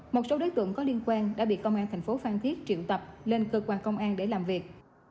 một số đối tượng có liên quan đã bị công an thành phố phan thiết triệu tập lên cơ quan công an để làm việc